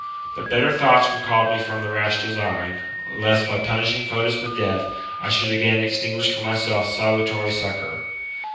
But better thoughts recalled me from the rash design ; lest, by punishing Fotis with death, I should again extinguish for myself salutary succour.